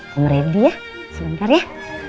pamer rendi ya sebentar ya